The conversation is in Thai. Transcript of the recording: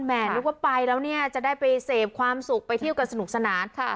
แหมเรียกว่าไปแล้วจะได้ไปเสพความสุขไปเที่ยวกันสนุกสนาน